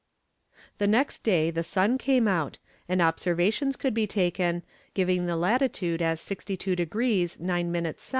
The next day the sun came out, and observations could be taken, giving the latitude as 62 degrees 9 minutes S.